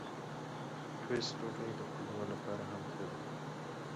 ټوسټ ډوډۍ د کولمو لپاره هم ښه ده.